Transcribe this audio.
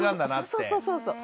そうそうそうそう。